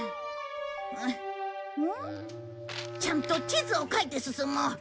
ちゃんと地図を描いて進もう。